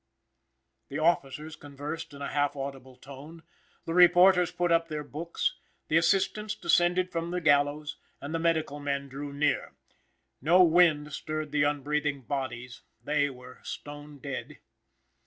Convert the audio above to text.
The officers conversed in a half audible tone; the reporters put up their books; the assistants descended from the gallows; and the medical men drew near. No wind stirred the unbreathing bodies, they were stone dead.